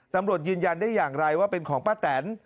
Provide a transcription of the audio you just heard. ตำรวจยืนยันได้อย่างไรว่าเป็นของป้าแตน